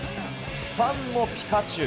ファンもピカチュウ。